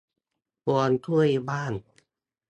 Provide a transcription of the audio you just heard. ฮวงจุ้ยบ้าน